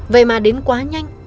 vậy mà đến quá nhanh